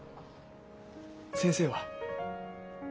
先生は？